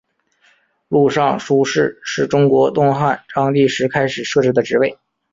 录尚书事是中国东汉章帝时开始设置的职位。